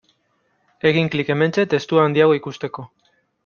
Egin klik hementxe testua handiago ikusteko.